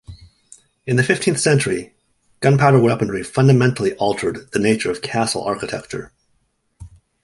In the fifteenth century, gunpowder weaponry fundamentally altered the nature of castle architecture.